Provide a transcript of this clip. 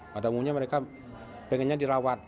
pada umumnya mereka pengennya dirawat